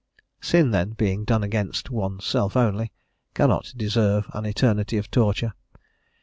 Sin then, being done against oneself only, cannot deserve an eternity of torture.